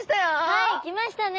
はい来ましたね！